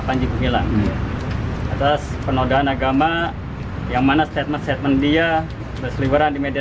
panji gumilang atas penodaan agama yang mana statement statement dia berseliweran di media